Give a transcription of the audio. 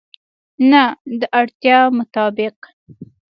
نه، د اړتیا مطابق